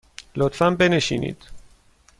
لطفاً بنشینید.